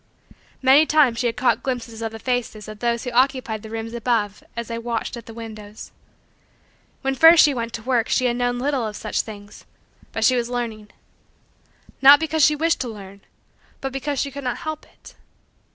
Many times she had caught glimpses of the faces of those who occupied the rooms above as they watched at the windows. When first she went to work she had known little of such things, but she was learning. Not because she wished to learn but because she could not help it.